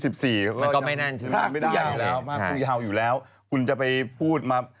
มันก็ไม่นั่นใช่ไหมภาคผู้ยาวอยู่แล้วคุณจะไปพูดมา